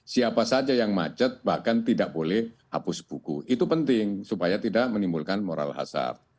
siapa saja yang macet bahkan tidak boleh hapus buku itu penting supaya tidak menimbulkan moral hazard